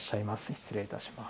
失礼いたします。